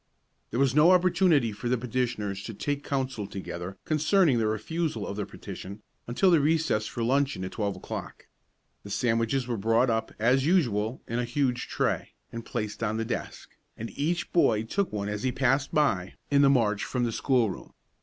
There was no opportunity for the petitioners to take counsel together concerning the refusal of their petition until the recess for luncheon at twelve o'clock. The sandwiches were brought up, as usual, in a huge tray, and placed on the desk, and each boy took one as he passed by in the march from the schoolroom.